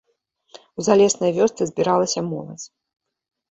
У залеснай вёсцы збіралася моладзь.